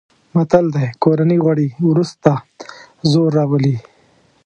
متل دی: کورني غوړي ورسته زور راولي.